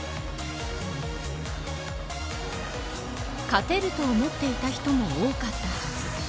勝てると思っていた人も多かったはず。